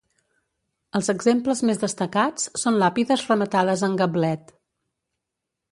Els exemples més destacats són làpides rematades en gablet.